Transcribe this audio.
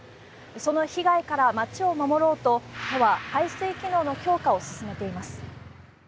その被害から町を守ろうと、都は排水機能の強化を進めています。